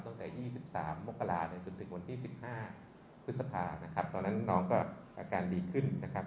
ตั้งแต่๒๓มกราจนถึงวันที่๑๕พฤษภานะครับตอนนั้นน้องก็อาการดีขึ้นนะครับ